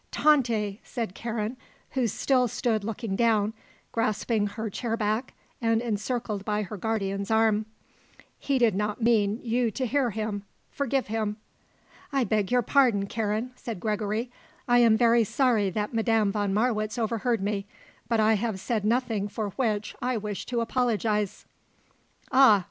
"Tante," said Karen, who still stood looking down, grasping her chair back and encircled by her guardian's arm, "he did not mean you to hear him. Forgive him." "I beg your pardon, Karen," said Gregory, "I am very sorry that Madame von Marwitz overheard me; but I have said nothing for which I wish to apologize." "Ah!